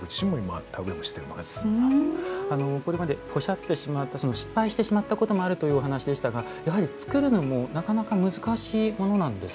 これまでポシャってしまった失敗してしまったこともあるというお話でしたがやはり作るのもなかなか難しいものなんですか？